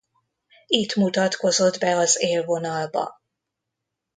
Itt mutatkozott be az élvonalba.